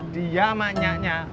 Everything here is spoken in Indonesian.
dia sama nyaknya